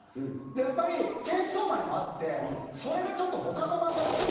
やっぱり『チェンソーマン』にもあってそれがちょっと他の漫画と違うんですよ。